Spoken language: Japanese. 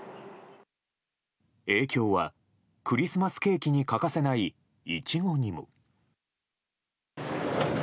影響はクリスマスケーキに欠かせない、イチゴにも。